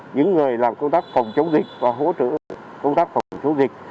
những người làm công tác phòng chống dịch và hỗ trợ công tác phòng chống dịch